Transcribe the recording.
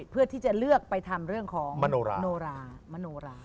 เพื่อที่จะเลือกไปทำเรื่องของมโนรามโนรา